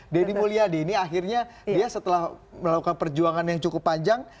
deddy mulyadi ini akhirnya dia setelah melakukan perjuangan yang cukup panjang